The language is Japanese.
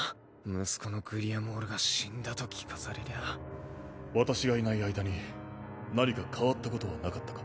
息子のグリアモールが私がいない間に何か変わったことはなかったか？